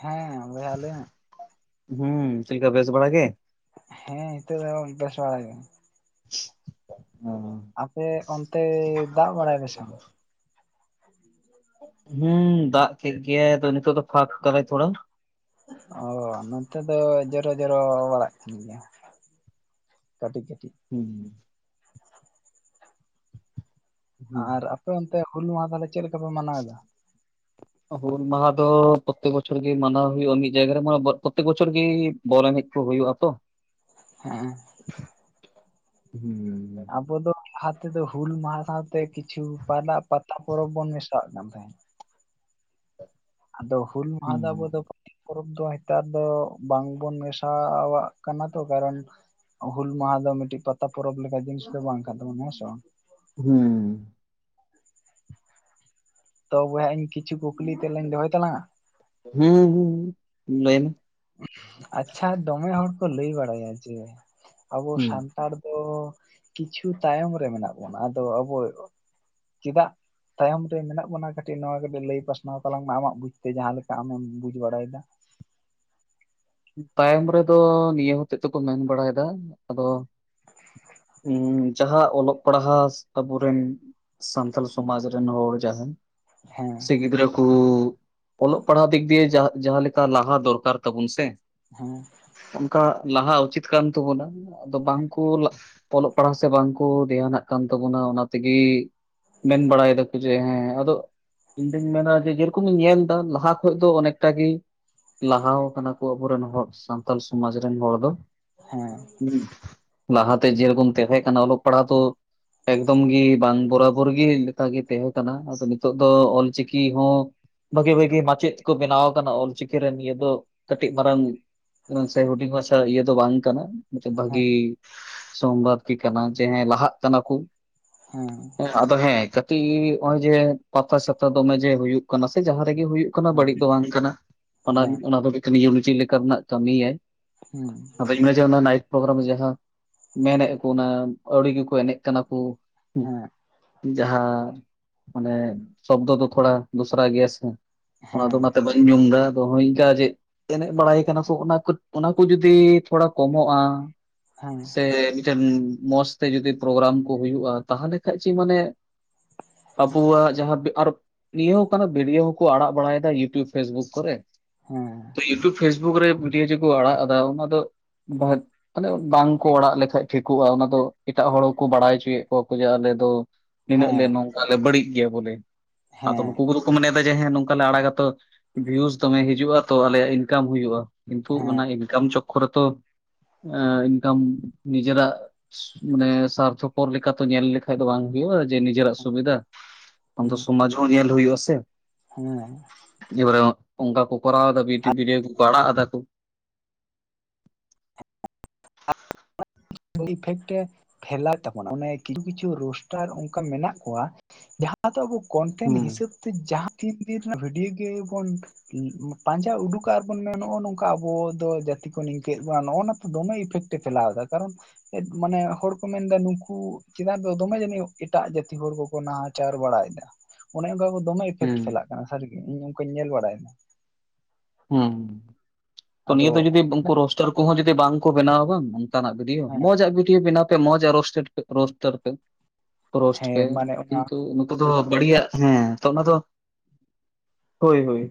ᱦᱮᱸ ᱵᱚᱭᱦᱟ ᱞᱟᱹᱭ ᱢᱮ᱾ ᱦᱩᱸ ᱪᱮᱫ ᱞᱮᱠᱟ ᱵᱮᱥ ᱵᱟᱲᱟ ᱜᱮ? ᱦᱮᱸ ᱱᱤᱛᱚᱜ ᱫᱚ ᱵᱮᱥ ᱵᱟᱲᱟ ᱜᱮ᱾ [unintelligible] ᱟᱯᱮ ᱚᱱᱛᱮ ᱫᱟᱜ ᱵᱟᱲᱟᱭ ᱟᱥᱮ ᱵᱟᱝ? [unintelligible] ᱚ ᱱᱚᱛᱮ ᱫᱚ ᱡᱚᱨᱚ-ᱡᱚᱨᱚ ᱵᱟᱲᱟᱜ ᱜᱮᱭᱟ᱾ ᱠᱟᱹᱴᱤᱡ ᱠᱟᱹᱴᱤᱡ ᱦᱩᱸ᱾ ᱦᱩᱸ ᱟᱨ ᱟᱯᱮ ᱚᱱᱛᱮ ᱦᱩᱞ ᱢᱟᱦᱟ ᱛᱟᱦᱸᱞᱮ ᱪᱮᱫ ᱞᱮᱠᱟ ᱯᱮ ᱢᱟᱱᱟᱣᱮᱫᱟ? ᱦᱩᱞ ᱢᱟᱦᱟ ᱫᱚ ᱯᱚᱨᱛᱮᱠ ᱵᱚᱪᱷᱚᱨ ᱜᱮ ᱢᱟᱱᱟᱣ ᱦᱩᱭᱩᱜᱼᱟ᱾ ᱢᱤᱫ ᱡᱟᱭᱜᱟ ᱨᱮ ᱢᱟ ᱯᱚᱨᱛᱮᱠ ᱵᱚᱪᱷᱚᱨ ᱜᱮ ᱵᱚᱞ ᱮᱱᱮᱪ ᱠᱚ ᱦᱩᱭᱩᱜ ᱟ ᱛᱚ᱾ ᱦᱮᱸ᱾ ᱦᱩᱸ ᱟᱵᱚ ᱫᱚ ᱱᱚᱛᱮ ᱫᱚ ᱦᱩᱞ ᱢᱟᱦᱟ ᱥᱟᱶᱛᱮ ᱠᱤᱪᱷᱩ ᱯᱟᱫᱟ ᱯᱟᱛᱟ ᱯᱚᱨᱚᱵᱽ ᱵᱚᱱ ᱢᱮᱥᱟᱜ ᱠᱟᱱ ᱛᱟᱦᱮᱱ ᱾ ᱟᱫᱚ ᱦᱩᱞ ᱢᱟᱦᱟ ᱦᱩᱸ ᱫᱚ ᱟᱵᱚ ᱫᱚ ᱯᱚᱨᱚᱵᱽ ᱫᱚ ᱱᱮᱛᱟᱨ ᱫᱚ ᱵᱟᱝᱵᱚᱱ ᱢᱮᱥᱟᱣᱟᱜ ᱠᱟᱱᱟ ᱛᱚ ᱠᱟᱨᱚᱱ ᱦᱩᱞ ᱢᱟᱦᱟ ᱫᱚ ᱢᱤᱫᱴᱤᱡ ᱯᱟᱛᱟ ᱯᱚᱨᱚᱵᱽ ᱞᱮᱠᱟ ᱡᱤᱱᱤᱥ ᱫᱚ ᱵᱟᱝ ᱠᱟᱱ ᱛᱟᱵᱚᱱᱟ ᱦᱮᱸᱥᱮ ᱵᱟᱝ? ᱦᱩᱸ᱾ ᱛᱚ ᱵᱚᱭᱦᱟ ᱤᱧ ᱠᱤᱪᱷᱩ ᱠᱩᱠᱞᱤ ᱛᱮᱞᱟᱧ ᱫᱚᱦᱚᱭ ᱛᱟᱞᱟᱝᱟ? ᱦᱩᱸ ᱦᱩᱸ ᱞᱟᱹᱭᱢᱮ᱾ ᱟᱪᱪᱷᱟ ᱫᱚᱢᱮ ᱦᱚᱲ ᱠᱚ ᱞᱟᱹᱭ ᱵᱟᱲᱟᱭᱟ ᱡᱮ ᱟᱵᱚ ᱦᱩᱸ ᱥᱟᱱᱛᱟᱲ ᱫᱚ ᱠᱤᱪᱷᱩ ᱛᱟᱭᱚᱢ ᱨᱮ ᱢᱮᱱᱟᱜ ᱵᱚᱱᱟ ᱟᱫᱚ ᱟᱵᱚ ᱪᱮᱫᱟᱜ? ᱛᱟᱭᱚᱢ ᱨᱮ ᱢᱮᱱᱟᱜ ᱵᱚᱱᱟ ᱠᱟᱹᱴᱤᱡ ᱱᱚᱣᱟ ᱠᱚᱫᱚ ᱞᱟᱹᱭ ᱯᱟᱥᱱᱟᱣ ᱛᱟᱞᱟᱝ ᱢᱮ ᱟᱢᱟᱜ ᱵᱩᱡᱽ ᱛᱮ ᱡᱟᱦᱟᱸ ᱞᱮᱠᱟ ᱟᱢᱮᱢ ᱵᱩᱡᱽ ᱵᱟᱲᱟᱭᱮᱫᱟ᱾ [inaudible] ᱛᱟᱭᱚᱢ ᱨᱮᱫᱚ ᱱᱤᱭᱟᱹ ᱦᱚᱛᱮ ᱛᱮ ᱠᱚ ᱢᱮᱱ ᱵᱟᱲᱟᱭᱮᱫᱟ ᱟᱫᱚ ᱡᱟᱦᱟᱸ ᱚᱞᱚᱜ ᱯᱟᱲᱦᱟᱣ ᱟᱵᱚᱨᱤᱱ ᱥᱟᱱᱛᱟᱞ ᱥᱚᱢᱟᱡᱽ ᱨᱤᱱ ᱦᱚᱲ ᱡᱟᱦᱟᱸ ᱦᱮᱸ ᱥᱮ ᱜᱤᱫᱽᱨᱟᱹ ᱠᱚ ᱚᱞᱚᱜ ᱯᱟᱲᱦᱟᱣ ᱫᱤᱠ ᱫᱤᱭᱮ ᱡᱟᱦᱟᱸ ᱞᱮᱠᱟ ᱞᱟᱦᱟ ᱫᱚᱨᱠᱟᱨ ᱛᱟᱵᱚᱱ ᱥᱮ ᱦᱮᱸ ᱚᱱᱝᱠᱟ ᱞᱟᱦᱟ ᱩᱪᱤᱛ ᱠᱟᱱ ᱛᱟᱵᱚᱱᱟ᱾ ᱟᱫᱚ ᱵᱟᱝ ᱠᱚ ᱚᱞᱚᱜ ᱯᱟᱲᱦᱟᱣ ᱥᱮ ᱵᱟᱝᱠᱚ ᱫᱷᱮᱭᱟᱱᱟᱜ ᱠᱟᱱ ᱛᱟᱵᱚᱱᱟ ᱚᱱᱟ ᱛᱮᱜᱮ ᱢᱮᱱ ᱵᱟᱲᱟ ᱮᱫᱟ ᱠᱚ ᱡᱮ ᱦᱮᱸ ᱟᱫᱚ ᱤᱧ ᱫᱩᱧ ᱢᱮᱱᱟ ᱡᱮ ᱡᱮᱨᱚᱠᱚᱢᱤᱧ ᱧᱮᱞᱫᱟ ᱞᱟᱦᱟ ᱠᱷᱚᱡ ᱫᱚ ᱚᱱᱮᱠᱴᱟ ᱜᱮ ᱞᱟᱦᱟᱣ ᱠᱟᱱᱟ ᱠᱚ᱾ ᱟᱵᱚᱨᱮᱱ ᱦᱚᱲ ᱥᱟᱱᱛᱟᱞ ᱥᱚᱢᱟᱡᱽ ᱨᱮᱱ ᱦᱚᱲ ᱫᱚ ᱦᱮᱸ ᱞᱟᱦᱟᱛᱮ ᱡᱮᱨᱚᱠᱚᱢ ᱛᱟᱦᱮᱸ ᱠᱟᱱᱟ ᱚᱞᱚᱜ ᱯᱟᱲᱦᱟᱣ ᱫᱚ ᱮᱠᱫᱚᱢ ᱜᱤ ᱵᱟᱝ ᱵᱚᱨᱟᱵᱚᱨ ᱜᱤ ᱞᱮᱠᱟᱜᱮ ᱛᱟᱦᱮᱸ ᱠᱟᱱᱟ ᱟᱫᱚ ᱱᱤᱛᱚᱜ ᱫᱚ ᱚᱞᱪᱤᱠᱤ ᱦᱚᱸ ᱵᱷᱟᱹᱜᱤ ᱵᱷᱟᱹᱜᱤ ᱢᱟᱪᱮᱫ ᱠᱚ ᱵᱮᱱᱟᱣ ᱠᱟᱱᱟ ᱚᱞᱪᱤᱠᱤ ᱨᱮ ᱱᱤᱭᱟᱹ ᱫᱚ [inaudible] ᱢᱤᱫᱴᱤᱡ ᱢᱟᱨᱟᱝ ᱥᱮ ᱦᱩᱰᱤᱧ ᱵᱷᱟᱥᱟ ᱤᱭᱟᱹ ᱫᱚ ᱵᱟᱝ ᱠᱟᱱᱟ ᱢᱤᱫᱴᱮᱱ ᱵᱷᱟᱹᱜᱤ ᱦᱮᱸ [unintelligible] ᱥᱳᱢᱵᱟᱫ ᱜᱤ ᱠᱟᱱᱟ ᱡᱮ ᱦᱮᱸ ᱞᱟᱦᱟᱜ ᱠᱟᱱᱟ ᱠᱚ [inaudible] ᱟᱫᱚ ᱦᱮᱸ [inaudible] ᱱᱚᱜᱼᱚᱭ ᱡᱮ ᱯᱟᱛᱟ ᱪᱷᱟᱛᱟ ᱫᱚᱢᱮ ᱡᱮ ᱦᱩᱭᱩᱜ ᱠᱟᱱᱟ ᱥᱮ ᱡᱟᱦᱟᱸ [inaudible] ᱦᱩᱭᱩᱜ ᱠᱟᱱᱟ ᱦᱮᱸ ᱵᱟᱹᱲᱤᱡ ᱫᱚ ᱵᱟᱝ ᱠᱟᱱᱟ ᱦᱮᱸ ᱦᱮᱸ ᱚᱱᱟ ᱫᱚ [inaudible] ᱞᱮᱠᱟᱱᱟᱜ ᱠᱟᱹᱢᱤᱟᱭ ᱦᱩᱸ [inaudible] ᱱᱟᱭ ᱯᱨᱳᱜᱨᱟᱢ ᱡᱟᱦᱟᱸ ᱢᱮᱱᱮᱫ ᱠᱚ ᱚᱱᱟ ᱟᱹᱣᱲᱤ ᱜᱮᱠᱚ ᱮᱱᱮᱡ ᱠᱟᱱᱟ ᱠᱚ ᱦᱮᱸ ᱡᱟᱦᱟᱸ ᱢᱟᱱᱮ ᱥᱚᱵᱫᱽᱚ ᱫᱚ ᱛᱷᱚᱲᱟ ᱫᱚᱥᱨᱟ ᱜᱮᱭᱟ ᱥᱮ ᱚᱱᱟ ᱦᱮᱸ ᱫᱚ ᱚᱱᱟᱛᱮ ᱵᱟᱹᱧ ᱧᱩᱢ ᱮᱫᱟ ᱟᱫᱚ ᱦᱚᱸᱜᱚᱭ ᱤᱱᱠᱟ ᱡᱮ ᱮᱱᱮᱡ ᱵᱟᱲᱟᱭ ᱠᱟᱱᱟ ᱠᱚ ᱚᱱᱟ ᱚᱱᱟ ᱠᱚ ᱡᱩᱫᱤ ᱛᱷᱚᱲᱟ ᱠᱚᱢᱚᱜᱼᱟ ᱦᱮᱸ ᱥᱮ ᱤᱱᱠᱟ ᱱ ᱢᱚᱸᱡᱽᱛᱮ ᱡᱩᱫᱤ ᱯᱨᱳᱜᱨᱟᱢ ᱠᱚ ᱦᱩᱭᱩᱜᱼᱟ ᱛᱟᱦᱟᱞᱮ ᱠᱷᱟᱱ ᱪᱮ ᱢᱟᱱᱮ ᱟᱵᱚᱣᱟᱜ ᱡᱟᱦᱟᱸ ᱟᱨ ᱱᱤᱭᱟᱹ ᱦᱚ ᱠᱟᱱᱟ ᱵᱷᱤᱰᱭᱳ ᱦᱚᱸᱠᱚ ᱟᱲᱟᱜ ᱵᱟᱲᱟᱭᱮᱫᱟ ᱤᱭᱩᱴᱩᱵᱽ ᱯᱷᱮᱥᱵᱩᱠ ᱠᱚᱨᱮ ᱦᱮᱸ ᱤᱭᱩᱴᱩᱵᱽ ᱯᱷᱮᱥᱵᱩᱠ ᱨᱮ ᱵᱷᱤᱰᱤᱭᱳ ᱡᱮ ᱠᱚ ᱟᱲᱟᱜ ᱮᱫᱟ ᱚᱱᱟ ᱫᱚ [inaudible] ᱵᱟᱝᱠᱚ ᱚᱲᱟᱜ ᱞᱮᱠᱷᱟᱡ ᱴᱷᱤᱠᱚᱜᱼᱟ ᱚᱱᱟ ᱫᱚ ᱮᱴᱟᱜ ᱦᱚᱲᱠᱚ ᱵᱟᱲᱟᱭ ᱦᱚᱪᱚᱭᱮᱫ ᱠᱚᱣᱟ ᱠᱚ ᱡᱮ ᱟᱞᱮ ᱫᱚ ᱱᱤᱱᱟᱹᱜ ᱦᱮᱸ ᱞᱮ ᱱᱚᱝᱠᱟ ᱞᱮ ᱵᱟᱹᱲᱤᱡ ᱜᱮᱭᱟ ᱵᱚᱞᱮ ᱟᱫᱚ ᱦᱮᱸ ᱱᱩᱠᱩ ᱠᱚᱫᱚ ᱠᱚ ᱢᱚᱱᱮ ᱮ ᱦᱮᱸ ᱱᱚᱝᱠᱟ ᱞᱮ ᱟᱲᱟᱜᱟᱛᱚ ᱵᱷᱤᱭᱩᱥ ᱦᱮᱸ ᱫᱚᱢᱮ ᱦᱤᱡᱩᱜᱼᱟ ᱛᱚ ᱟᱞᱮᱭᱟᱜ ᱤᱱᱠᱟᱢ ᱦᱩᱭᱩᱜᱼᱟ ᱠᱤᱱᱛᱩ ᱦᱮᱸ ᱚᱱᱟ ᱤᱱᱠᱟᱢ ᱪᱚᱠᱠᱷᱚᱨ ᱨᱮᱛᱚ ᱮ ᱤᱱᱠᱟᱢ ᱱᱤᱡᱮᱨᱟᱜ ᱢᱟᱱᱮ ᱥᱟᱨᱛᱷᱚᱯᱚᱨ ᱞᱮᱠᱟ ᱞᱮᱠᱟᱛᱮ ᱧᱮᱞ ᱞᱮᱠᱷᱟᱡ ᱫᱚ ᱵᱟᱝ ᱦᱩᱭᱩᱜᱼᱟ ᱡᱮ ᱱᱤᱡᱮᱨᱟᱜ ᱥᱩᱵᱤᱫᱷᱟ [inaudible] ᱦᱮᱸ ᱥᱚᱢᱟᱡ ᱦᱚᱸ ᱧᱮᱞ ᱦᱩᱭᱩᱜ ᱟᱥᱮ ᱦᱮᱸ ᱚᱱᱠᱟ ᱠᱚ ᱠᱚᱨᱟᱣ ᱮᱫᱟ ᱵᱤ ᱵᱤᱰᱤᱭᱳ ᱠᱚ ᱠᱚ ᱟᱲᱟᱜ ᱮᱫᱟ [unintelligible] ᱰᱤᱯᱷᱮᱠᱴᱮ ᱯᱷᱮᱞᱟᱭ ᱮᱫ ᱛᱟᱵᱚᱱᱟ ᱚᱱᱮ ᱠᱤᱪᱷᱩ ᱠᱤᱪᱷᱩ ᱨᱳᱥᱴᱟᱨ ᱚᱱᱠᱟ ᱢᱮᱱᱟᱜ ᱠᱚᱣᱟ ᱡᱟᱦᱟᱸ ᱫᱚ ᱟᱵᱚ ᱠᱚᱱᱴᱮᱱᱴ ᱦᱩᱸ ᱦᱤᱥᱟᱹᱵ ᱛᱮ ᱡᱟᱦᱟᱸ ᱛᱤᱱ ᱫᱤᱱ ᱨᱮᱱᱟᱜ ᱵᱷᱤᱰᱤᱭᱳ ᱜᱮᱵᱚᱱ ᱯᱟᱸᱡᱟ ᱩᱰᱩᱠᱟᱜ ᱟᱨᱵᱚᱱ ᱢᱮᱱᱜᱼᱼᱟ ᱱᱚᱜᱚ ᱱᱚᱝᱠᱟ ᱟᱵᱚ ᱫᱚ ᱡᱟ [inaudible] ᱵᱚᱱᱟ ᱱᱚᱜ ᱱᱟ ᱛᱚ ᱫᱚᱢᱮ ᱤᱯᱷᱮᱠᱴ ᱮ ᱯᱷᱮᱞᱟᱣ ᱮᱫᱟ ᱠᱟᱨᱚᱱ ᱢᱟᱱᱮ ᱦᱚᱲ ᱠᱚ ᱢᱮᱱᱫᱟ ᱱᱩᱠᱩ ᱪᱮᱛᱟᱱ ᱨᱮᱫᱚ ᱫᱚᱢᱮ ᱡᱟᱹᱱᱤᱡ ᱮᱴᱟᱜ ᱡᱟᱹᱛᱤ ᱦᱚᱲ ᱠᱚᱠᱚ ᱱᱟᱦᱟ ᱟᱪᱟᱨ ᱵᱟᱲᱟᱭᱮᱫᱟ ᱚᱱᱮ ᱚᱱᱠᱟ ᱠᱚ ᱫᱚᱢᱮ ᱤᱯᱷᱮᱠᱴ ᱦᱩᱸ ᱪᱟᱞᱟᱜ ᱠᱟᱱᱟ ᱥᱟᱹᱨᱤ ᱜᱮ ᱤᱧ ᱚᱱᱠᱟᱧ ᱧᱮᱞ ᱵᱟᱲᱟᱭᱮᱫᱟ ᱦᱩᱸ ᱛᱚ ᱟᱫᱚ ᱱᱤᱭᱟᱹ ᱫᱚ ᱡᱩᱫᱤ ᱩᱱᱠᱩ ᱨᱳᱥᱴᱟᱨ ᱠᱚᱦᱚᱸ ᱡᱩᱫᱤ ᱵᱟᱝ ᱠᱚ ᱵᱮᱱᱟᱣᱟ ᱵᱟᱝ ᱚᱱᱠᱟᱱᱟᱜ ᱵᱷᱤᱰᱤᱭᱳ ᱦᱮᱸ ᱢᱚᱡᱽ ᱟᱜ ᱟᱜᱩᱭ ᱯᱮ ᱵᱮᱱᱟᱣ ᱢᱚᱡᱟ ᱨᱳᱥᱴᱮᱴ ᱨᱳᱥᱴᱟᱨᱯᱮ ᱨᱳᱥᱴ ᱯᱮ ᱦᱮᱸ ᱢᱟᱱᱮ ᱚᱱᱟ ᱠᱤᱱᱛᱩ ᱱᱩᱠᱩ ᱫᱚ ᱵᱟᱹᱲᱤᱡᱟᱜ ᱦᱮᱸ ᱛᱚ ᱚᱱᱟ ᱫᱚ ᱦᱳᱭ ᱦᱳᱭ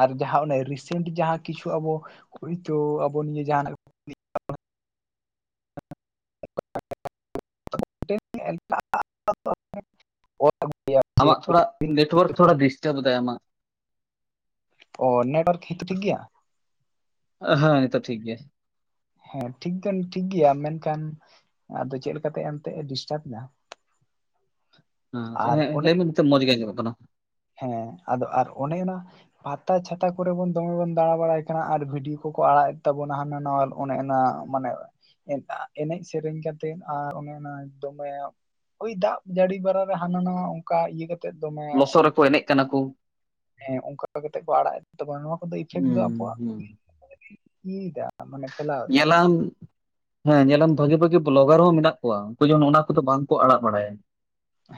ᱟᱨ ᱡᱟᱦᱟᱸ ᱚᱱᱮ ᱨᱤᱥᱮᱱᱴ ᱡᱟᱦᱟᱸ ᱠᱤᱪᱷᱩ ᱟᱵᱚ ᱦᱳᱭᱛᱳ ᱟᱵᱚ ᱱᱤᱭᱟᱹ ᱡᱟᱦᱟᱱᱟᱜ [inaudible] [inaudible] ᱮᱴᱟᱜ [inaudible] ᱟᱢᱟᱜ ᱛᱷᱚᱲᱟ ᱱᱮᱴᱳᱣᱟᱨᱠ ᱛᱷᱚᱲᱟ ᱰᱤᱥᱴᱟᱵᱽᱫᱟᱭ ᱟᱢᱟᱜ ᱦᱮᱛᱚ ᱴᱷᱤᱠ ᱜᱮᱭᱟ ᱦᱮᱸ ᱱᱤᱛᱚᱜ ᱴᱷᱤᱠ ᱜᱮᱭᱟ ᱦᱮᱸ ᱴᱷᱤᱠ ᱫᱚ ᱴᱷᱤᱠ ᱜᱮᱭᱟ ᱢᱮᱱᱠᱷᱟᱱ ᱟᱫᱚ ᱪᱮᱫ ᱞᱮᱠᱟᱛᱮ ᱮᱱᱛᱮᱜ ᱮ ᱰᱤᱥᱴᱟᱵ ᱫᱟ [inaudible] ᱚᱱᱮ ᱞᱟᱹᱭ ᱢᱮ ᱱᱤᱛᱚᱜ ᱢᱚᱡᱽ ᱜᱮ ᱟᱡᱚᱢᱚᱜ ᱠᱟᱱᱟ ᱦᱮᱸ ᱟᱫᱚ ᱟᱨ ᱚᱱᱮ ᱚᱱᱟ ᱯᱟᱛᱟ ᱪᱷᱟᱛᱟ ᱠᱚᱨᱮ ᱵᱚᱱ ᱫᱚᱢᱮ ᱵᱚᱱ ᱫᱟᱬᱟ ᱵᱟᱲᱟᱭ ᱠᱟᱱᱟ ᱟᱨ ᱵᱷᱤᱰᱤᱭᱳ ᱠᱚ ᱠᱚ ᱟᱲᱟᱜᱮᱫ ᱛᱟᱵᱚᱱᱟ ᱦᱟᱱᱟ ᱱᱟᱣᱟ ᱚᱱᱮ ᱚᱱᱟ ᱢᱟᱱᱮ ᱮᱱ ᱮᱱᱮᱡ ᱥᱮᱨᱮᱧ ᱠᱟᱛᱮ ᱟᱨ ᱚᱱᱮ ᱚᱱᱟ ᱫᱚᱢᱮ ᱳᱭ ᱫᱟᱜ ᱡᱟᱹᱲᱤ ᱵᱟᱲᱟᱨᱟ ᱨᱮ ᱦᱟᱱᱟ ᱱᱟᱣᱟ ᱚᱝᱠᱟ ᱤᱭᱟᱹ ᱠᱟᱛᱮ ᱫᱚᱢᱮ ᱞᱚᱥᱚᱫ ᱨᱮᱠᱚ ᱮᱱᱮᱡ ᱠᱟᱱᱟ ᱠᱚ ᱦᱮᱸ ᱚᱝᱠᱟ ᱠᱟᱛᱮ ᱠᱚ ᱟᱲᱟᱜ ᱮᱫ ᱛᱟᱵᱚᱱ ᱱᱚᱣᱟ ᱤᱯᱷᱮᱠᱴ ᱫᱚ ᱦᱩᱸ ᱟᱵᱚᱣᱟᱜ ᱦᱩᱸ [inaudible] ᱤᱭᱟᱹ ᱫᱟ ᱢᱟᱱᱮ ᱯᱷᱮᱞᱟᱣ ᱫᱟ ᱧᱮᱞᱟᱢ ᱦᱮᱸ ᱧᱮᱞᱟᱢ ᱵᱷᱟᱜᱤ ᱵᱷᱟᱜᱤ ᱵᱞᱚᱜᱟᱨ ᱦᱚᱸ ᱢᱮᱱᱟᱜ ᱠᱚᱣᱟ ᱩᱱᱠᱩ ᱡᱮᱢᱚᱱ ᱚᱱᱟ ᱠᱚᱫᱚ ᱵᱟᱝᱠᱚ ᱟᱲᱟᱜ ᱵᱟᱲᱟᱭᱟ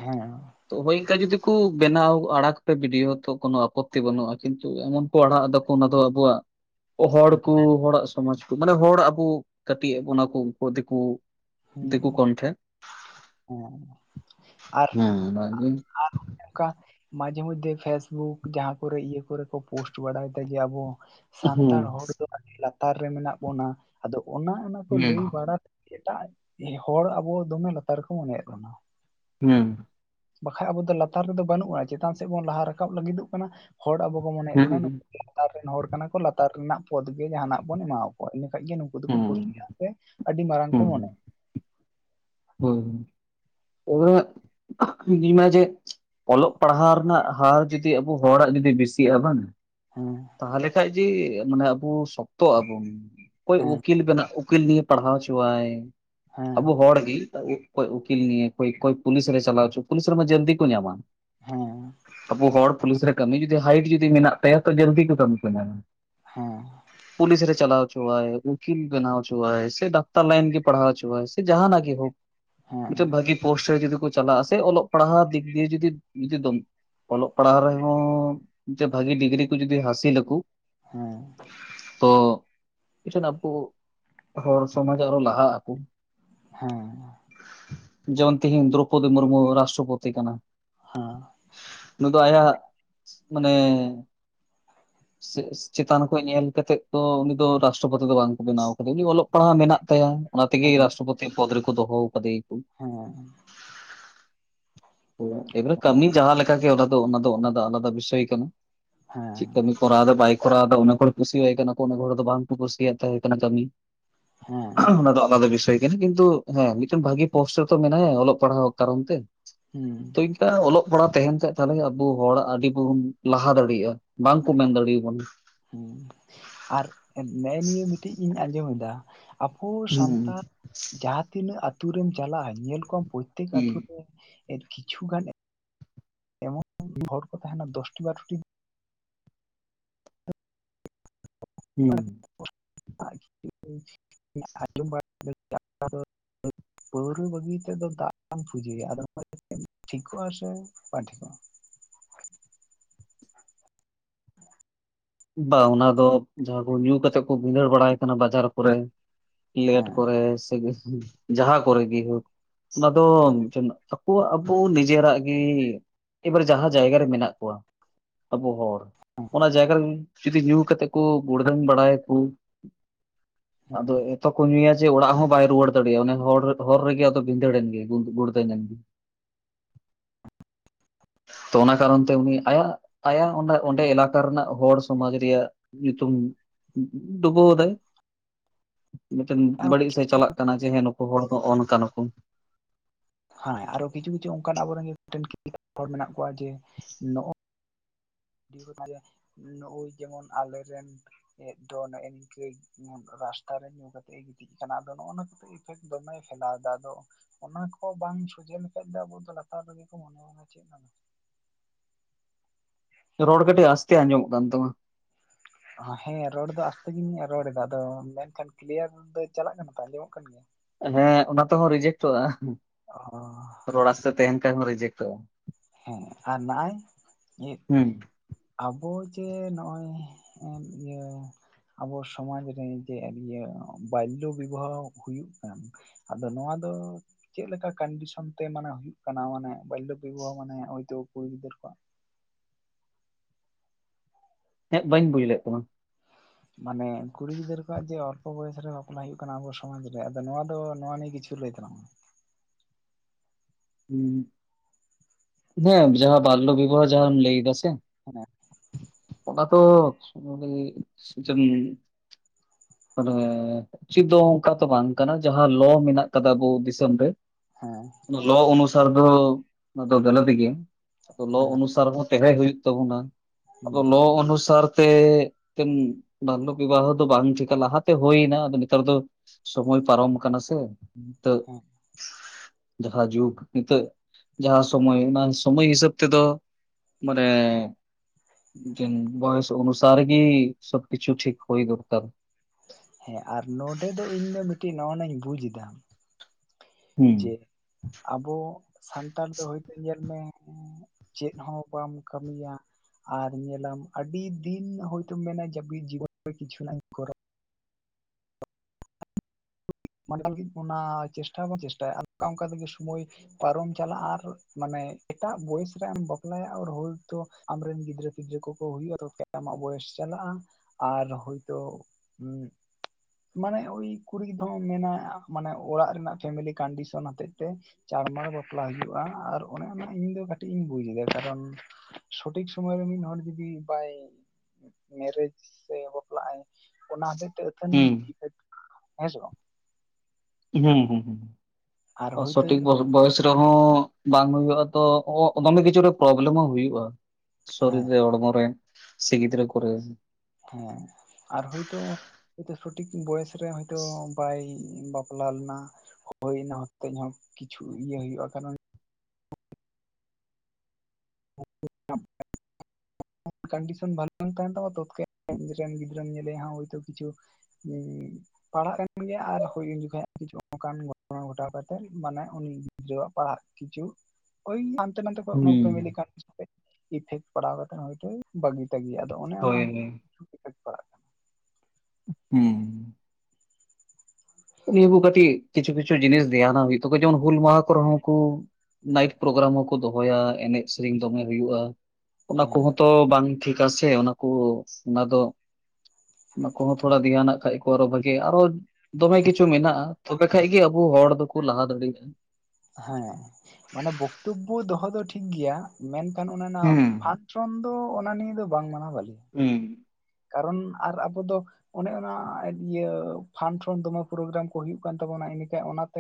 ᱦᱮᱸ ᱛᱚ ᱦᱳᱭᱠᱟ ᱡᱩᱫᱤ ᱠᱚ ᱵᱮᱱᱟᱣ ᱟᱲᱟᱜ ᱠᱟᱛᱮ ᱵᱷᱤᱰᱤᱭᱳ ᱛᱚ ᱠᱳᱱᱳ ᱟᱯᱚᱛᱛᱤ ᱵᱟᱹᱱᱩᱜᱼᱟ ᱠᱤᱱᱛᱩ ᱮᱢᱚᱱ ᱠᱚ ᱟᱲᱟᱜ ᱫᱟᱠᱚ ᱚᱱᱟ ᱫᱚ ᱟᱵᱚᱣᱟᱜ ᱦᱚᱲ ᱠᱚ ᱦᱚᱲᱟᱜ ᱥᱚᱢᱟᱡᱽ ᱠᱚ ᱢᱟᱱᱮ ᱦᱚᱲ ᱟᱵᱚ ᱠᱟᱹᱴᱤᱡ ᱮ ᱵᱚᱱᱟ ᱠᱚ ᱩᱱᱠᱩ ᱛᱮᱠᱚ ᱦᱩᱸ ᱫᱤᱠᱩ ᱠᱚᱴᱷᱮᱱ ᱦᱮᱸ ᱦᱮᱸ ᱟᱨ [unintelligible] ᱢᱟᱡᱷᱮ ᱢᱚᱫᱽᱫᱷᱮ ᱯᱷᱮᱥᱵᱩᱠ ᱡᱟᱦᱟᱸ ᱠᱚᱨᱮ ᱤᱭᱟᱹ ᱠᱚᱨᱮ ᱠᱚ ᱯᱳᱥᱴ ᱵᱟᱲᱟᱭᱮᱫᱟ ᱡᱮ ᱟᱵᱚ ᱥᱟᱱᱛᱟᱲ ᱦᱚᱲ ᱫᱚ ᱟᱹᱰᱤ ᱞᱟᱛᱟᱨ ᱨᱮ ᱢᱮᱱᱟᱜ ᱵᱚᱱᱟ ᱟᱫᱚ ᱚᱱᱟ ᱚᱱᱟ ᱠᱚ ᱞᱟᱹᱭ ᱵᱟᱲᱟ ᱮᱴᱟᱜ ᱦᱚᱲ ᱟᱵᱚ ᱫᱚᱢᱮ ᱞᱟᱛᱟᱨ ᱨᱮᱠᱚ ᱢᱚᱱᱮᱭᱮᱫ ᱵᱚᱱᱟ ᱦᱮᱸ ᱵᱟᱠᱷᱟᱡ ᱟᱵᱚ ᱫᱚ ᱞᱟᱛᱟᱨ ᱨᱮᱫᱚ ᱵᱟᱹᱱᱩᱜ ᱵᱚᱱᱟ ᱪᱮᱛᱟᱱ ᱥᱮᱫ ᱵᱚᱱ ᱞᱟᱦᱟ ᱨᱟᱠᱟᱵ ᱞᱟᱹᱜᱤᱫᱚᱜ ᱠᱟᱱᱟ ᱦᱚᱲ ᱟᱵᱚ ᱠᱚ ᱢᱚᱱᱮᱭᱮᱫ ᱵᱚᱱᱟ ᱱ ᱦᱮᱸ ᱞᱟᱛᱟᱨ ᱨᱮᱱ ᱦᱚᱲ ᱠᱟᱱᱟ ᱠᱚ ᱞᱟᱛᱟᱨ ᱨᱮᱱᱟᱜ ᱯᱚᱫ ᱜᱮ ᱡᱟᱦᱟᱱᱟᱜ ᱵᱚᱱ ᱮᱢᱟ ᱠᱚᱣᱟ ᱤᱱᱟᱹ ᱾ ᱤᱱᱟ ᱠᱷᱟᱱᱡ ᱜᱮ ᱱᱩᱠᱩ ᱫᱚᱠᱚ ᱠᱩᱥᱤᱭᱟᱜᱼᱟ ᱥᱮ ᱟᱹᱰᱤ ᱢᱟᱨᱟᱝ ᱠᱚ ᱦᱮᱸ ᱢᱚᱱᱮᱭᱟ ᱦᱮᱸ [unintelligible] ᱤᱧ ᱢᱮ ᱡᱮ ᱚᱞᱚᱜ ᱯᱟᱲᱦᱟᱣ ᱨᱮᱱᱟᱜ ᱦᱟᱨ ᱡᱩᱫᱤ ᱟᱵᱚ ᱦᱚᱲᱟᱜ ᱡᱩᱫᱤ ᱵᱮᱥᱤᱜᱼᱟ ᱵᱟᱝ ᱦᱮᱸ ᱛᱟᱦᱞᱮ ᱠᱷᱟᱱᱡ ᱡᱮ ᱢᱟᱱᱮ ᱟᱵᱚ ᱥᱚᱠᱛᱚᱜ ᱟᱵᱚᱱ ᱚᱠᱚᱭ ᱦᱮᱸ ᱩᱠᱤᱞ ᱵᱮᱱᱟᱜ ᱱᱤᱭ ᱯᱟᱲᱦᱟᱣ ᱦᱚᱪᱟᱭ ᱦᱮᱸ ᱟᱵᱚ ᱦᱚᱲ ᱜᱮ ᱠᱚ ᱩᱠᱤᱞ ᱱ ᱯᱩᱞᱤᱥ ᱨᱮ ᱪᱟᱞᱟᱣ ᱦᱚᱪᱚ ᱯᱩᱞᱤᱥ ᱨᱮᱠᱚ ᱡᱟᱞᱫᱤ ᱜᱮᱠᱚ ᱧᱟᱢᱟ ᱦᱮᱸ ᱟᱵᱚ ᱦᱚᱲ ᱯᱩᱞᱤᱥ ᱨᱮ ᱠᱟᱹᱢᱤ ᱡᱩᱫᱤ ᱦᱟᱭᱤᱴ ᱡᱩᱫᱤ ᱢᱮᱱᱟᱜ ᱛᱟᱭᱟ ᱛᱚ ᱡᱚᱞᱫᱤ ᱠᱚ ᱠᱟᱹᱢᱤ ᱠᱚ ᱧᱟᱢᱟ ᱦᱮ ᱯᱩᱞᱤᱥ ᱨᱮ ᱪᱟᱞᱟᱣ ᱪᱩᱣᱟ ᱟᱭ ᱩᱠᱤᱞ ᱵᱮᱱᱟᱣ ᱪᱩᱣᱟ ᱟᱭ ᱥᱮ ᱰᱟᱠᱛᱟᱨ ᱞᱟᱭᱤᱱ ᱯᱟᱲᱦᱟᱣ ᱪᱩᱣᱟ ᱟᱭ ᱥᱮ ᱡᱟᱦᱟᱸ ᱱᱟ ᱜᱮ ᱦᱳᱠ ᱢᱤᱫ ᱦᱮᱸ ᱵᱷᱟᱹᱜᱤ ᱯᱳᱥᱴ ᱨᱮ ᱡᱩᱫᱤ ᱠᱚ ᱪᱟᱞᱟᱜᱼᱟ ᱥᱮ ᱚᱞᱚᱜ ᱯᱟᱲᱦᱟᱜ ᱫᱤᱠ ᱫᱤᱭᱮ ᱡᱩᱫᱤ ᱚᱞᱚᱜ ᱯᱟᱲᱦᱟᱜ ᱨᱮᱦᱚᱸ ᱡᱮ ᱵᱷᱟᱹᱜᱤ ᱰᱤᱜᱽᱨᱤ ᱠᱚ ᱡᱩᱫᱤ ᱦᱟᱹᱥᱤᱞ ᱟᱠᱚ ᱦᱮᱸ ᱛᱚ [unintelligible] ᱟᱵᱚ ᱦᱚᱲ ᱥᱚᱢᱟᱡ ᱟᱨᱚ ᱞᱟᱦᱟᱜ ᱟᱠᱚ ᱦᱮᱸ ᱡᱚᱭᱚᱱ ᱛᱤᱦᱤᱧ ᱫᱨᱚᱯᱚᱫᱤ ᱢᱩᱨᱢᱩ ᱨᱟᱥᱴᱨᱚᱯᱚᱛᱤ ᱠᱟᱱᱟ ᱦᱮᱸ ᱱᱩᱭ ᱫᱚ ᱟᱭᱟᱜ ᱢᱟᱱᱮ ᱪᱮᱛᱟᱱ ᱠᱷᱚᱱ ᱧᱮᱞ ᱠᱟᱛᱮᱜ ᱛᱚ ᱩᱱᱤ ᱫᱚ ᱨᱟᱥᱴᱨᱚᱯᱚᱛᱤ ᱫᱚ ᱵᱟᱝ ᱠᱚ ᱵᱮᱱᱟᱣ ᱟᱠᱟᱫᱮᱭᱟ ᱩᱱᱤ ᱚᱞᱚᱜ ᱯᱟᱲᱦᱟᱜ ᱢᱮᱱᱟᱜ ᱛᱟᱭᱟ᱾ ᱚᱱᱟ ᱛᱮᱜᱮ ᱦᱮᱸ ᱨᱟᱥᱴᱨᱚᱯᱚᱛᱤ ᱯᱚᱫ ᱨᱮᱠᱚ ᱫᱚᱦᱚ ᱟᱠᱟᱫᱮ᱾ ᱦᱮᱸ ᱮᱵᱟᱨ ᱠᱟᱹᱢᱤ ᱡᱟᱦᱟ ᱞᱮᱠᱟ ᱜᱮ ᱚᱱᱟ ᱫᱚ ᱚᱱᱟ ᱫᱚ ᱚᱱᱟ ᱫᱚ ᱟᱞᱟᱫᱟ ᱵᱤᱥᱚᱭ ᱠᱟᱱᱟ ᱦᱮᱸ ᱪᱮᱫ ᱠᱟᱹᱢᱤ ᱠᱚᱨᱟ ᱫᱟ ᱵᱟᱭ ᱠᱚᱨᱟᱣᱫᱟ ᱚᱱᱟ ᱠᱚᱨᱮ ᱠᱩᱥᱤᱟᱭ ᱠᱟᱱᱟ ᱠᱚ ᱚᱱᱟ ᱠᱚᱨᱮ ᱫᱚ ᱵᱟᱝᱠᱚ ᱠᱩᱥᱤᱭᱟᱜ ᱛᱟᱦᱮᱸ ᱠᱟᱱᱟ ᱠᱟᱹᱢᱤ ᱦᱮᱸ ᱚᱱᱟ ᱫᱚ ᱟᱞᱟᱫᱟ ᱵᱤᱥᱚᱭ ᱠᱤᱱᱛᱩ ᱦᱮᱸ ᱢᱤᱫᱴᱮᱱ ᱵᱷᱟᱜᱤ ᱯᱳᱥᱴ ᱨᱮ ᱛᱚ ᱢᱮᱱᱟᱭᱟ ᱚᱞᱚᱜ ᱯᱟᱲᱦᱟᱣ ᱠᱟᱨᱚᱱ ᱛᱮ ᱦᱩᱸ ᱛᱚ ᱤᱱᱠᱟᱹ ᱚᱞᱚᱜ ᱯᱟᱲᱦᱟᱜ ᱛᱟᱦᱮᱱ ᱠᱷᱟᱡ ᱛᱟᱞᱦᱮ ᱟᱵᱚ ᱦᱚᱲᱟᱜ ᱟᱹᱰᱤᱵᱚᱱ ᱞᱟᱦᱟ ᱫᱟᱲᱮᱭᱟᱜᱼᱟ ᱵᱟᱝᱠᱚ ᱢᱮᱱ ᱫᱟᱲᱮᱭᱟᱵᱚᱱᱟ ᱦᱮᱸ ᱟᱨ ᱱᱮᱜᱼ ᱱᱤᱭᱟᱹ ᱢᱤᱫᱴᱤᱡ ᱤᱧ ᱟᱸᱡᱚᱢ ᱤᱫᱟ ᱟᱵᱚ ᱦᱩᱸ ᱥᱟᱱᱛᱟᱲ ᱡᱟᱦᱟᱸ ᱛᱤᱱᱟᱹᱜ ᱟᱛᱳ ᱨᱮᱢ ᱪᱟᱞᱟᱜᱼᱟ ᱧᱮᱞ ᱠᱚᱢ ᱯᱚᱨᱛᱮᱠ ᱦᱩᱸ ᱟᱛᱩ ᱨᱮ ᱠᱤᱪᱷᱩ ᱜᱟᱱ ᱮᱢᱚᱱ ᱦᱚᱲ ᱠᱚ ᱛᱟᱦᱮᱱᱟ ᱫᱚᱥᱴᱤ ᱵᱟᱨᱚᱴᱤ ᱦᱩᱸ [unintelligible] ᱯᱟᱹᱣᱨᱟᱹ ᱵᱟᱹᱜᱤ ᱛᱮᱫᱚ ᱫᱟᱜ ᱯᱩᱡᱟᱹᱭᱟ ᱟᱫᱚ ᱚᱱᱟ ᱴᱷᱤᱠᱚᱜ ᱟ ᱥᱮ ᱵᱟᱝ ᱴᱷᱤᱠᱚᱜᱼᱟ [inaudible] ᱵᱟ ᱚᱱᱟ ᱫᱚ ᱡᱟᱦᱟᱸ ᱠᱚ ᱧᱩ ᱠᱟᱛᱮᱫ ᱠᱚ ᱵᱷᱤᱸᱫᱟᱹᱲ ᱵᱟᱲᱟᱭ ᱠᱟᱱᱟ ᱵᱟᱡᱟᱨ ᱠᱚᱨᱮ ᱞᱮᱴ ᱦᱮᱸ ᱠᱚᱨᱮ ᱥᱮ ᱡᱟᱦᱟᱸ ᱠᱚᱨᱮᱜ ᱜᱮ ᱦᱳᱠ ᱚᱱᱟ ᱫᱚ ᱦᱮᱸ ᱟᱠᱩ ᱟᱜ ᱟᱵᱚ ᱱᱤᱡᱮᱨᱟᱜ ᱜᱮ ᱮᱵᱟᱨ ᱡᱟᱦᱟᱸ ᱡᱟᱭᱜᱟ ᱨᱮ ᱢᱮᱱᱟᱜ ᱠᱚᱣᱟ ᱟᱵᱚ ᱦᱚᱲ ᱚᱱᱟ ᱡᱟᱭᱜᱟ ᱨᱮ ᱡᱩᱫᱤ ᱧᱩ ᱠᱟᱛᱮ ᱠᱚ ᱜᱩᱲᱫᱟᱹᱱ ᱵᱟᱲᱟᱭᱟᱠᱚ ᱟᱫᱚ ᱮᱛᱚ ᱠᱚ ᱧᱩᱭᱼᱼ ᱡᱮ ᱚᱲᱟᱜ ᱦᱚᱸ ᱵᱟᱭ ᱨᱩᱣᱟᱹᱲ ᱫᱟᱲᱮᱭᱟᱜᱼᱟ ᱚᱱᱮ ᱦᱚᱲ ᱦᱚᱨ ᱨᱮᱜᱮ ᱟᱫᱚ ᱵᱷᱸᱤᱫᱟᱹᱲᱮᱱ ᱜᱮ ᱜᱩᱲᱫᱟᱹᱝ ᱮᱱᱜᱜᱤ᱾ [inaudible] ᱛᱚ ᱚᱱᱟ ᱠᱟᱨᱚᱱ ᱛᱮ ᱩᱱᱤ ᱟᱭᱟᱜ ᱟᱭᱟᱜ ᱚᱸᱰᱮ ᱮᱞᱟᱠᱟ ᱨᱮᱱᱟᱜ ᱦᱚᱲ [unintelligible] ᱢᱤᱫᱴᱮᱱ ᱵᱟᱹᱲᱤᱡ ᱥᱮᱫ ᱪᱟᱞᱟᱜ ᱠᱟᱱᱟ ᱡᱮ ᱦᱮᱸ ᱱᱩᱠᱩ ᱦᱚᱲ ᱫᱚ ᱚᱱ ᱠᱟᱱᱟ ᱠᱚ ᱦᱳᱭ ᱠᱤᱪᱷᱩ ᱠᱤᱪᱷᱩ ᱚᱱᱠᱟᱱ ᱟᱵᱚᱨᱮᱱ ᱴᱮᱱ ᱦᱚᱲ ᱢᱮᱱᱟᱜ ᱠᱚᱣᱟ ᱡᱮ ᱱᱚᱜᱼ [unintelligible] ᱡᱮᱢᱚᱱ ᱟᱞᱮ ᱨᱮᱱ ᱫᱚ ᱱᱚᱜᱼ ᱱᱤᱝᱠᱟᱹ ᱨᱟᱥᱛᱟ ᱨᱮ ᱧᱩ ᱠᱟᱛᱮᱭ ᱜᱤᱛᱤᱡ ᱠᱟᱱᱟ, ᱟᱫᱚ ᱱᱚᱜ-ᱚ ᱱᱚᱭᱟ [unintelligible] ᱫᱚᱢᱮ ᱦᱮᱱᱟᱜ -ᱟ ᱟᱫᱚ ᱚᱱᱟ ᱠᱚ ᱵᱟᱝ, ᱥᱚᱡᱷᱮ ᱱᱤᱛᱚᱜ ᱫᱚ ᱟᱵᱚ ᱫᱚ ᱞᱟᱛᱟᱨ ᱨᱮᱜᱮ ᱠᱚ ᱢᱚᱱᱮ ᱵᱚᱱᱟ ᱪᱮᱫ ᱠᱟᱱᱟ [inaudible] ᱨᱚᱲ ᱠᱟᱹᱴᱤᱡ ᱟᱥᱛᱮ ᱟᱸᱡᱚᱢᱚᱜ ᱠᱟᱱ ᱛᱟᱢᱟ᱾ ᱦᱮᱸ ᱨᱚᱲ ᱫᱚ ᱟᱥᱛᱮ ᱜᱤᱧ ᱨᱚᱲᱮᱫᱟ ᱟᱫᱚ ᱢᱮᱱᱠᱷᱟᱱ ᱠᱞᱤᱭᱟᱨ ᱫᱚ ᱪᱟᱞᱟᱜ ᱠᱟᱱᱟ ᱛᱚ ᱟᱸᱡᱚᱢᱚᱜ ᱠᱟᱱ ᱜᱮᱭᱟ ᱦᱮᱸ ᱚᱱᱟ ᱛᱮᱦᱚᱸ ᱨᱤᱡᱮᱠᱴᱚᱜᱼᱟ, ᱚ ᱨᱚᱲ ᱟᱥᱛᱮ ᱛᱟᱦᱮᱱ ᱠᱷᱟᱡ ᱦᱚᱸ ᱨᱤᱡᱮᱠᱴᱚᱜᱼᱟ ᱦᱮᱸ ᱟᱨ ᱱᱚᱜᱼᱚᱭ ᱦᱩᱸ ᱟᱵᱚ ᱡᱮ ᱱᱚᱜᱼᱚᱭ ᱮᱫ ᱤᱭᱟᱹ ᱟᱵᱚ ᱥᱚᱢᱟᱡ ᱨᱮ ᱡᱮ ᱤᱭᱟᱹ ᱵᱟᱭᱞᱚ ᱵᱤᱵᱚᱦᱟᱣ ᱦᱩᱭᱩᱜ ᱠᱟᱱ ᱟᱫᱚ ᱱᱚᱣᱟ ᱫᱚ ᱪᱮᱫ ᱞᱮᱠᱟ ᱠᱟᱱᱰᱤᱥᱚᱱ ᱛᱮ ᱢᱟᱱᱮ ᱦᱩᱭᱩᱜ ᱠᱟᱱᱟ ᱢᱟᱱᱮ ᱵᱟᱭᱞᱩ ᱵᱤᱵᱚᱦᱟ ᱢᱟᱱᱮ ᱛᱚ ᱠᱩᱲᱤ ᱜᱤᱫᱽᱨᱟᱹ ᱠᱚᱣᱟᱜ ᱛᱮᱫ ᱵᱟᱹᱧ ᱵᱩᱡ ᱞᱮᱫ ᱛᱟᱢᱟ ᱢᱟᱱᱮ ᱠᱩᱲᱤ ᱜᱤᱫᱽᱟᱹᱨ ᱠᱚᱣᱟᱜ ᱡᱮ ᱚᱞᱯᱚ ᱵᱚᱭᱚᱥ ᱨᱮ ᱵᱟᱯᱞᱟ ᱦᱩᱭᱩᱜ ᱠᱟᱱᱟ ᱟᱵᱚ ᱥᱚᱢᱟᱡ ᱨᱮ ᱟᱫᱚ ᱱᱚᱣᱟ ᱫᱚ ᱱᱚᱣᱟ ᱱᱮᱭ ᱠᱤᱪᱷᱩ ᱞᱟᱹᱭ ᱛᱟᱞᱟᱝ ᱢᱮ [inaudible] ᱦᱩ ᱦᱮᱸ ᱡᱟᱦᱟᱸ ᱵᱟᱞᱞᱚ ᱵᱤᱵᱟᱦᱚ ᱡᱟᱦᱟᱸᱢ ᱞᱟᱹᱭ ᱫᱟ ᱥᱮ [unintelligible] ᱚᱱᱟ ᱫᱚ ᱮᱠᱪᱩᱣᱟᱹᱞᱤ [unintelligible] ᱤᱪᱤᱛ ᱫᱚ ᱚᱱᱠᱟ ᱛᱚ ᱵᱟᱝ ᱠᱟᱱᱟ ᱡᱟᱦᱟᱸ ᱞᱚ ᱢᱮᱱᱟᱜ ᱠᱟᱫᱟ ᱟᱵᱚ ᱫᱤᱥᱚᱢ ᱨᱮ ᱦᱮᱸ ᱞᱚ ᱚᱱᱩᱥᱟᱨ ᱫᱚ ᱚᱱᱟ ᱫᱚ ᱜᱟᱹᱞᱟᱛ ᱜᱮ ᱟᱫᱚ ᱞᱚ ᱚᱱᱩᱥᱟᱨ ᱦᱚᱸ ᱴᱮᱵᱷᱮᱠ ᱦᱩᱭᱩᱜ ᱛᱟᱵᱚᱱᱟ ᱟᱫᱚ ᱦᱮᱸ ᱞᱚ ᱚᱱᱩᱥᱟᱨ ᱛᱮ ᱵᱟᱠᱠᱚ ᱵᱤᱵᱟᱦᱚ ᱫᱚ ᱵᱟᱝ ᱴᱷᱤᱠ-ᱟ ᱞᱟᱦᱟᱛᱮ ᱦᱩᱭᱱᱟ ᱟᱫᱚ ᱱᱮᱛᱟᱨ ᱫᱚ ᱥᱚᱢᱚᱭ ᱯᱟᱨᱚᱢ ᱟᱠᱟᱱᱟ ᱥᱮ ᱛᱚ ᱦᱮᱸ ᱡᱟᱦᱟᱸ ᱡᱩᱜᱽ ᱱᱤᱛᱚᱜ ᱡᱟᱦᱟᱸ ᱥᱚᱢᱚᱭ ᱚᱱᱟ ᱥᱚᱢᱚᱭ ᱦᱤᱥᱟᱹᱵ ᱛᱮᱫᱚ ᱢᱟᱱᱮ ᱫᱤᱱ ᱵᱚᱭᱮᱥ ᱚᱱᱩᱥᱟᱨ ᱜᱤ ᱥᱚᱵ ᱠᱤᱪᱷᱩ ᱴᱷᱤᱠ ᱦᱩᱭ ᱫᱚᱨᱠᱟᱨ᱾ ᱦᱮᱸ ᱟᱨ ᱱᱚᱰᱮ ᱫᱚ ᱤᱧ ᱫᱚ ᱢᱤᱫᱴᱮᱱ ᱱᱚᱜ ᱱᱟᱧ ᱵᱩᱡᱽ ᱮᱫᱟ ᱦᱩᱸ ᱡᱮ ᱟᱵᱚ ᱥᱟᱱᱛᱟᱲ ᱫᱚ ᱦᱳᱭᱛᱳ ᱧᱮᱞ ᱢᱮ [inaudible] ᱪᱮᱫ ᱦᱚᱸ ᱵᱟᱢ ᱠᱟᱹᱢᱤᱭᱟ ᱟᱨ ᱧᱮᱞᱟᱢ ᱟᱹᱰᱤ ᱫᱤᱱ ᱦᱚᱭᱛᱚᱢ ᱢᱮᱱᱟ ᱡᱟᱯᱤᱫ ᱡᱤᱵᱚᱱ ᱠᱤᱪᱷᱩᱱᱟᱜ ᱤᱧ ᱠᱚᱨᱟ ᱢᱟᱱᱮ ᱞᱟᱹᱜᱤᱫ ᱚᱱᱟ ᱪᱮᱥᱴᱟ ᱵᱚᱱ ᱪᱮᱥᱴᱟᱭᱟ ᱚᱱᱠᱟ ᱚᱱᱠᱟ ᱛᱮᱜᱮ ᱥᱚᱢᱚᱭ ᱯᱟᱨᱚᱢ ᱪᱟᱞᱟᱜᱼᱟ ᱟᱨ ᱢᱟᱱᱮ ᱮᱴᱟᱜ ᱵᱚᱭᱮᱥ ᱨᱮ ᱮᱢ ᱵᱟᱯᱞᱟᱭᱟ ᱦᱳᱭᱛᱚ ᱟᱢᱨᱤᱱ ᱜᱤᱫᱽᱨᱟᱹ ᱯᱤᱫᱽᱨᱟᱹ ᱠᱚ ᱠᱚ ᱦᱩᱭᱩᱜᱼᱟ ᱛᱟ ᱟᱢᱟᱜ ᱵᱚᱭ ᱪᱟᱞᱟᱜᱼᱟ ᱟᱨ ᱦᱳᱭᱛᱳ ᱦᱩ ᱢᱟᱱᱮ ᱳᱭ ᱠᱩᱲᱤ ᱜᱤᱫᱽᱨᱟᱹ ᱛᱚᱢ ᱢᱮᱱᱟ ᱢᱟᱱᱮ ᱚᱲᱟᱜ ᱨᱮᱱᱟᱜ ᱯᱷᱮᱢᱮᱞᱤ ᱠᱟᱱᱰᱤᱥᱚᱱ ᱦᱚᱛᱮᱡ ᱛᱮ ᱪᱟᱨᱢᱟᱨ ᱵᱟᱯᱞᱟ ᱦᱩᱭᱩᱜᱼᱟ ᱟᱨ ᱛᱚ ᱚᱱᱮ ᱚᱱᱟ ᱤᱧ ᱫᱚ ᱠᱟᱹᱴᱤᱡ ᱤᱧ ᱵᱩᱡ ᱮᱫᱟ ᱠᱟᱨᱚᱱ ᱥᱚᱴᱷᱤᱠ ᱥᱚᱢᱚᱭ ᱨᱮ ᱢᱤᱫ ᱦᱚᱲ ᱡᱩᱫᱤ ᱵᱟᱭ ᱢᱮᱨᱮᱡᱽ ᱥᱮ ᱵᱟᱯᱞᱟᱜ ᱟᱭ ᱚᱱᱟ ᱦᱚᱛᱮ ᱦᱩᱸ [unintelligible] ᱦᱮᱸᱥᱮ ᱵᱟᱝ ᱦᱮᱸ ᱦᱮᱸ ᱦᱮᱸ ᱟᱨ ᱦᱳᱭᱛᱳ ᱚᱥᱚᱴᱷᱤᱠ ᱵᱚ ᱵᱚᱭᱚᱥ ᱨᱮᱦᱚ ᱵᱟᱝ ᱦᱩᱭᱩᱜᱼᱟ ᱛᱚ ᱫᱚᱢᱮ ᱠᱤᱪᱷᱩ ᱨᱮ ᱯᱨᱚᱵᱞᱮᱢ ᱦᱚᱸ ᱦᱩᱭᱩᱜᱼᱟ ᱦᱮᱸ ᱥᱚᱨᱤᱨ ᱨᱮ ᱦᱚᱲᱢᱚ ᱨᱮ ᱥᱮ ᱜᱤᱫᱽᱨᱟᱹ ᱠᱚᱨᱮ ᱦᱮᱸ ᱟᱨ ᱦᱚᱭ ᱛᱚ ᱥᱚᱴᱷᱤᱠ ᱵᱚᱭᱮᱥ ᱨᱮ ᱦᱚᱭ ᱛᱚ ᱵᱟᱭ ᱵᱟᱯᱞᱟ [unintelligible] ᱦᱳᱭᱱᱟ ᱦᱳᱭᱱᱟ ᱠᱤᱪᱷᱩ ᱤᱭᱟᱹ ᱦᱩᱭᱩᱜᱼᱟ ᱟᱨ ᱠᱟᱨᱚᱱ [unintelligible] ᱤᱧ ᱨᱮᱱ ᱜᱤᱫᱽᱨᱟᱹᱢ ᱧᱮᱞᱮᱭᱟ ᱦᱚᱭ ᱛᱚ ᱠᱤᱪᱷᱩ ᱩᱸ ᱯᱟᱲᱦᱟᱜ ᱠᱟᱱ ᱜᱮᱭᱟ ᱟᱨ ᱦᱩᱭ ᱩᱱ ᱡᱚᱠᱷᱟᱱ ᱚᱱᱠᱟᱱ ᱜᱷᱚᱴᱚᱱᱟ ᱜᱷᱚᱴᱟᱣ ᱠᱟᱛᱮᱫ ᱢᱟᱱᱮ ᱩᱱᱤ ᱜᱤᱫᱽᱨᱟᱹᱣᱟᱜ ᱯᱟᱲᱦᱟᱜ ᱠᱤᱪᱷᱩ ᱳᱭ ᱚᱱᱟ ᱢᱮᱱᱛᱮ ᱦᱩᱸ ᱚᱱᱟ ᱠᱟᱢᱤ ᱞᱮᱠᱟ ᱤᱯᱷᱮᱠᱴ ᱯᱟᱲᱟᱣ ᱠᱟᱛᱮ ᱦᱚᱭ ᱛᱚ ᱛ ᱵᱟᱹᱜᱤ ᱟᱫᱚ ᱚᱱᱮ ᱚᱱᱟ ᱦᱳᱭ ᱦᱚᱛᱮᱡ ᱛᱮ ᱠᱤᱪᱷᱩ ᱤᱯᱷᱮᱠᱴ ᱯᱟᱲᱟᱜ ᱠᱟᱱᱟ ᱦᱩᱸ ᱱᱤᱭᱟᱹ ᱠᱚ ᱠᱟᱹᱴ ᱠᱤᱪᱷᱩ ᱠᱤᱪᱷᱩ ᱡᱤᱱᱤᱥ ᱫᱭᱟᱱ ᱦᱚ ᱛᱟᱠᱚ ᱡᱮᱢᱚᱱ ᱦᱩᱞ ᱢᱟᱦᱟ ᱠᱚᱨᱮ ᱦᱚᱸ ᱠᱚ ᱱᱟᱭᱤᱴ ᱯᱨᱳᱜᱨᱟᱢ ᱦᱚᱸ ᱠᱚ ᱫᱚᱦᱚᱭᱟ ᱮᱱᱮᱡ ᱥᱮᱨᱮᱧ ᱫᱚᱢᱮ ᱦᱩᱭᱩᱜᱼᱟ ᱚᱱᱟ ᱦᱮᱸ ᱠᱚᱦᱚᱸ ᱛᱚ ᱵᱟᱝ ᱴᱷᱤᱠ ᱟᱥᱮ ᱚᱱᱟ ᱚᱱᱟ ᱫᱚ ᱚᱱᱟ ᱠᱚᱦᱚᱸ ᱛᱷᱚᱲᱟ ᱫᱷᱮᱭᱟᱱᱟᱜ ᱠᱷᱟᱡ ᱠᱚ ᱟᱨᱦᱚ ᱵᱷᱟᱜᱤᱭᱟ ᱟᱨᱦᱚ ᱫᱚᱢᱮ ᱠᱤᱪᱷᱩ ᱢᱮᱱᱟᱜᱼᱟ ᱛᱚᱵᱮ ᱠᱷᱟᱡᱽ ᱜᱮ ᱟᱵᱚ ᱦᱚᱲ ᱫᱚᱠᱚ ᱞᱟᱦᱟ ᱫᱟᱲᱮᱭᱟᱜᱼᱟ ᱦᱮᱸ ᱢᱟᱱᱮ ᱵᱚᱠᱛᱚᱵᱵᱚ ᱫᱚᱦᱚ ᱫᱚ ᱴᱷᱤᱠ ᱜᱮᱭᱟ ᱢᱮᱱ ᱠᱷᱟᱱ ᱚᱱᱮ ᱚᱱᱟ ᱦᱩᱸ ᱯᱷᱟᱪᱪᱚᱱ ᱫᱚ ᱚᱱᱟ ᱱᱤᱭᱮ ᱫᱚ ᱵᱟᱝ ᱢᱟᱱᱟ ᱵᱷᱟᱞᱤᱭᱟ ᱦᱩᱸ ᱠᱟᱨᱚᱱ ᱟᱨ ᱟᱵᱚ ᱫᱚ ᱚᱱᱮ ᱚᱱᱟ ᱤᱭᱟᱹ ᱯᱷᱟᱱᱰ ᱯᱷᱩᱱ ᱫᱚᱢᱮ ᱯᱨᱳᱜᱨᱟᱢ ᱠᱚ ᱦᱩᱭᱩᱜ ᱠᱟᱱ ᱛᱟᱵᱚᱱᱟ ᱤᱱ ᱠᱷᱟᱱ ᱚᱱᱟᱛᱮ